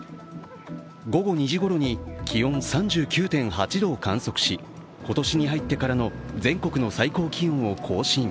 午後２時ごろに気温３９．８度を観測し今年に入ってからの全国の最高気温を更新。